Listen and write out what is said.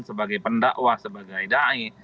sebagai pendakwa sebagai da'i